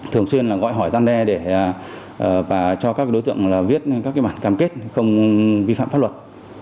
thường xuyên gọi hỏi gian đe để cho các đối tượng viết các bản cam kết không vi phạm pháp luật